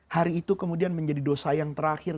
hari itu kemudian menjadi dosa yang terakhir